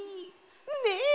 ねえ。